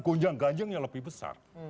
gonjang ganjang yang lebih besar hmm